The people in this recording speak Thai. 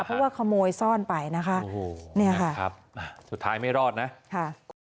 เพราะว่าขโมยซ่อนไปนะคะโอ้โหเนี่ยค่ะครับสุดท้ายไม่รอดนะค่ะ